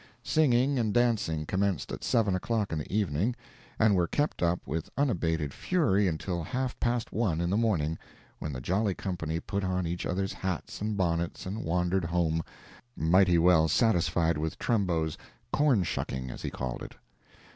Singing and dancing commenced at seven o'clock in the evening, and were kept up with unabated fury until half past one in the morning, when the jolly company put on each other's hats and bonnets and wandered home, mighty well satisfied with Trumbo's "corn shucking," as he called it.